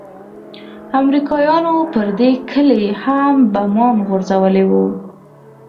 امريکايانو پر دې کلي هم بمان غورځولي وو.